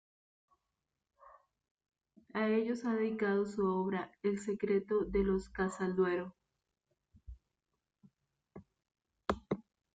A ellos ha dedicado su obra "El secreto de los Casalduero".